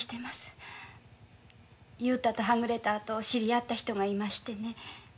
雄太とはぐれたあと知り合った人がいましてね。